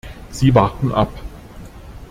Sie warten ab.